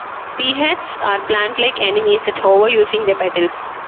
Peahats are plant-like enemies that hover using their petals.